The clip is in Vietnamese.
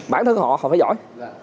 bản thân họ họ phải giỏi